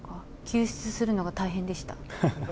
救出するのが大変でした。